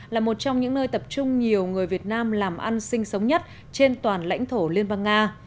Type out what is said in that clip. là một trong những nơi tập trung nhiều người việt nam làm ăn sinh sống nhất trên toàn lãnh thổ liên bang nga